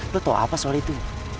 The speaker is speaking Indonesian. lo tau apa soal itu